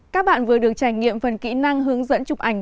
các bạn vừa được trải nghiệm phần kỹ năng hướng dẫn chụp ảnh